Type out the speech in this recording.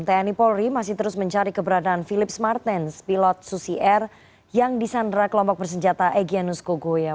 tni polri masih terus mencari keberadaan philips martens pilot susi air yang disandra kelompok bersenjata egyanus kogoya